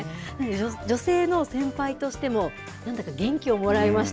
女性の先輩としても何だか元気をもらえました。